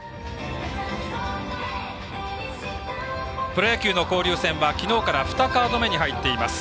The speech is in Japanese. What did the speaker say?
プロ野球の交流戦はきのうから２カードめに入っています。